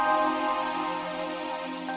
ini dengan siapa ya